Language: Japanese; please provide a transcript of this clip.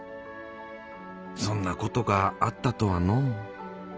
そんなことがあったとはのう。